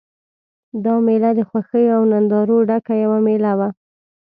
دا مېله د خوښیو او نندارو ډکه یوه مېله وه.